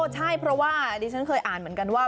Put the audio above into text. ใช่เพราะว่าดิฉันเคยอ่านเหมือนกันว่า